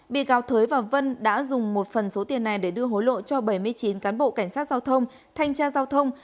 bị cáo thới và vân đã dùng một phần số tiền này để đưa hối lộ cho bảy mươi chín cán bộ cảnh sát giao thông thanh tra giao thông